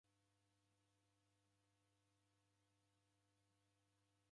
Kuseketalia mndungi kisaya chake.